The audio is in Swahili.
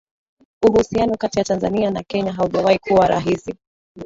Uhusiano kati ya Tanzania na Kenya haujawahi kuwa rahisi